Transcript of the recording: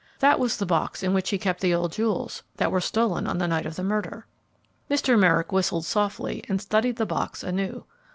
That was the box in which he kept the old jewels that were stolen on the night of the murder." Mr. Merrick whistled softly and studied the box anew.